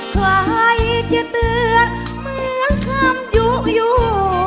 ใครจะเตือนเหมือนคำยุอยู่